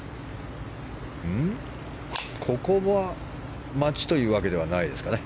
ここは待ちというわけではないですかね。